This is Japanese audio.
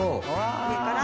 上から。